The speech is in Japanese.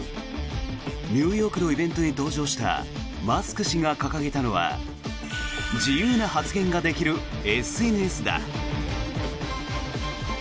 ニューヨークのイベントに登場したマスク氏が掲げたのは自由な発言ができるＳＮＳだ。